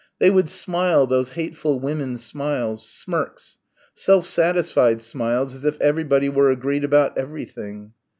They would smile those hateful women's smiles smirks self satisfied smiles as if everybody were agreed about everything.